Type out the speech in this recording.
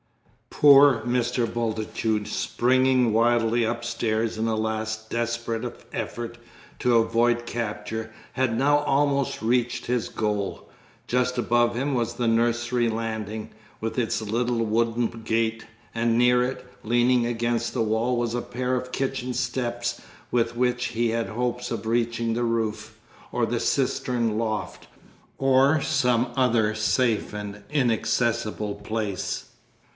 _ Poor Mr. Bultitude, springing wildly upstairs in a last desperate effort to avoid capture, had now almost reached his goal. Just above him was the nursery landing, with its little wooden gate, and near it, leaning against the wall, was a pair of kitchen steps, with which he had hopes of reaching the roof, or the cistern loft, or some other safe and inaccessible place.